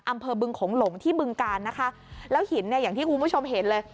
อำเภอบึงโขงหลงที่บึงการนะคะแล้วหินเนี่ยอย่างที่คุณผู้ชมเห็นเลย